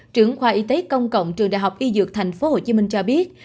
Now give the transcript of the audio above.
trưởng khoa y tế công cộng trường đại học y dược tp hcm cho biết